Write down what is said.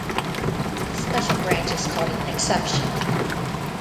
This special branch is called an exception.